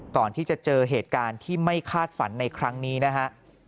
ก่อนที่จะเจอเหตุการณ์ที่ไม่คาดฝันในครั้งนี้นะฮะ